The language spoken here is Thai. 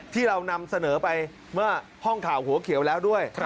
ที่เรานำเสนอไปเมื่อห้องข่าวหัวเขียวแล้วด้วย